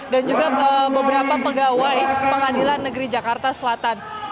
dan juga beberapa pegawai pengadilan negeri jakarta selatan